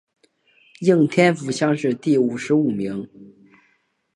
应天府乡试第五十五名。